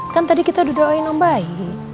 kan tadi kita udah doain om baik